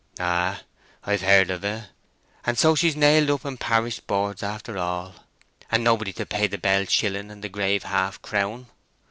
"Ay—I've heard of it. And so she's nailed up in parish boards after all, and nobody to pay the bell shilling and the grave half crown."